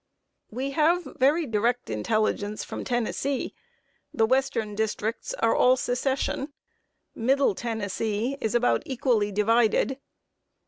We have very direct intelligence from Tennessee. The western districts are all Secession. Middle Tennessee is about equally divided.